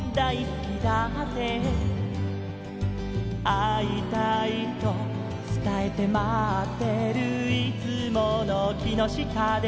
「会いたいとつたえて待ってるいつもの木の下で」